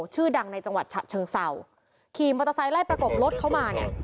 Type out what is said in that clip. ชื่อดังในจังหวัดฉะเชิงเศร้าขี่มอเตอร์ไซค์ไล่ประกบรถเข้ามาเนี่ย